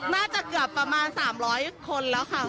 น่าจะเกือบประมาณ๓๐๐คนแล้วค่ะ